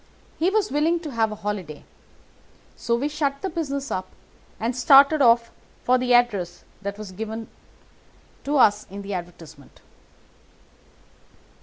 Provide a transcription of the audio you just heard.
He was very willing to have a holiday, so we shut the business up and started off for the address that was given us in the advertisement.